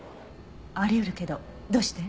あり得るけどどうして？